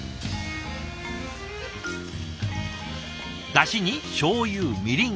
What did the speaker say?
だしにしょうゆみりん